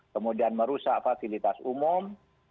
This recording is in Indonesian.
kemudian merusak fasilitas umum